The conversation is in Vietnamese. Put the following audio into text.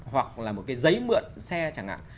hoặc là một cái giấy mượn xe chẳng hạn